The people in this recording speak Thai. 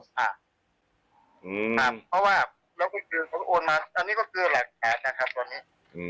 เพราะว่าแล้วก็คือเขาโอนมาอันนี้ก็คือหลักฐานนะครับตอนนี้